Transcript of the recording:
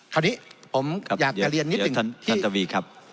คราวนี้ผมอยากกระเรียนนิดนึงที่